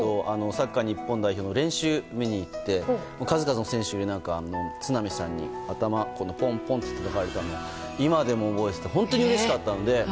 サッカー日本代表の練習を見に行って数々の選手がいる中都並さんに、頭をぽんぽんとたたかれたのを今でも覚えていて本当にうれしかったので。